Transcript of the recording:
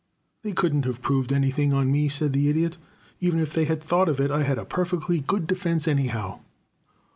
"They couldn't have proved anything on me," said the Idiot, "even if they had thought of it. I had a perfectly good defense, anyhow."